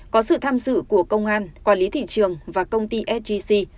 có sự tham dự của công an quản lý thị trường và công ty sgc